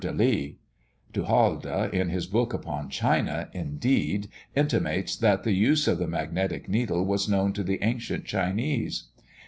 Du Halde, in his book upon China, indeed, intimates that the use of the magnetic needle was known to the ancient Chinese.